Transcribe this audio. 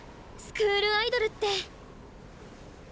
スクールアイドルって。